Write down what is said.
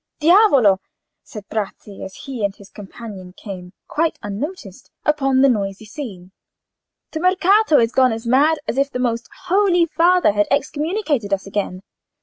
"Diavolo!" said Bratti, as he and his companion came, quite unnoticed, upon the noisy scene; "the Mercato is gone as mad as if the most Holy Father had excommunicated us again.